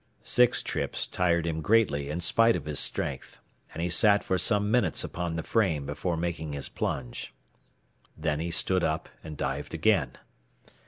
Six trips tired him greatly in spite of his strength, and he sat for some minutes upon the frame before making his plunge. Then he stood up and dived again.